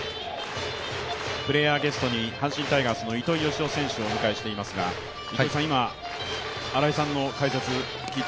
プレーヤーゲストに阪神タイガースの糸井嘉男選手をお迎えしていますけど今、新井さんの解説を聞いて。